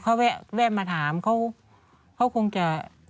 เขาแวะมาถามเขาเขาคงจะ